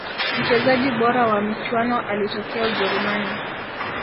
mchezaji bora wa michuano alitokea ujerumani